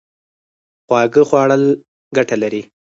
خواږه خوړل ګټه لري